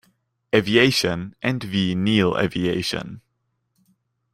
Aviation and Vee Neal Aviation.